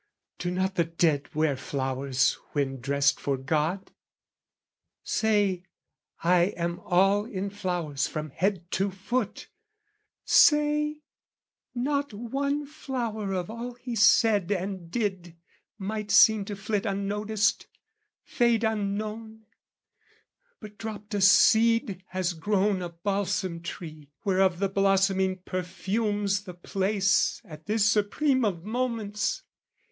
Do not the dead wear flowers when dressed for God? Say, I am all in flowers from head to foot! Say, not one flower of all he said and did, Might seem to flit unnoticed, fade unknown, But dropped a seed has grown a balsam tree Whereof the blossoming perfumes the place At this supreme of moments!